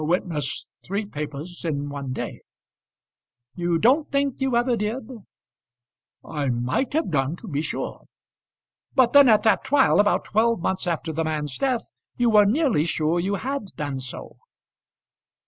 "Witness three papers in one day." "You don't think you ever did?" "I might have done, to be sure." "But then, at that trial, about twelve months after the man's death, you were nearly sure you had done so."